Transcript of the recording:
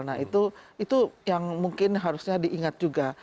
nah itu yang mungkin harusnya diingat juga